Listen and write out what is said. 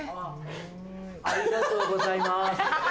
ありがとうございます。